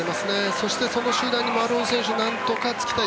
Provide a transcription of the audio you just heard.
そして、その集団に丸尾選手、なんとかつきたい。